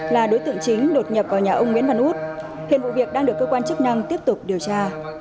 là đối tượng chính đột nhập vào nhà ông nguyễn văn út hiện vụ việc đang được cơ quan chức năng tiếp tục điều tra